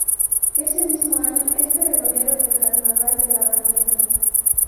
Ese mismo año es pregonero del Carnaval de La Bañeza.